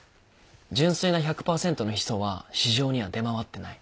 純粋な１００％のヒ素は市場には出回ってない。